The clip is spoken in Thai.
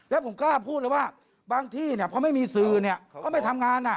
แล้วผมกล้าพูดเลยว่าบางที่พอไม่มีสื่อเขาก็ไม่ทำงาน